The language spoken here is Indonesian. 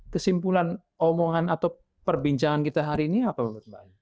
kesimpulan omongan atau perbincangan kita hari ini apa menurut mbak ali